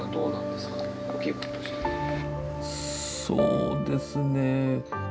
そうですね。